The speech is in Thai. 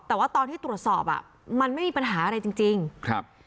แต่ว่าตอนที่ตรวจสอบอ่ะมันไม่มีปัญหาอะไรจริงจริงครับ